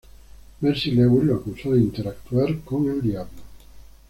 Mercy Lewis lo acusó de interactuar con el diablo.